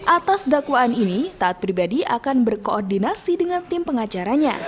atas dakwaan ini taat pribadi akan berkoordinasi dengan tim pengacaranya